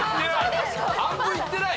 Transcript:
半分いってない！？